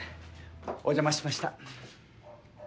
お邪魔しました。